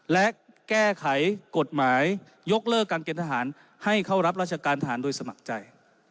และแก้ไขกฎหมายยกเลิกการเกณฑ์ทหารให้เข้ารับราชการทหารโดยสมัครใจ